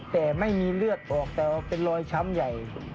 แต่ไม่มีเลือดออกแต่ว่าเป็นรอยช้ำใหญ่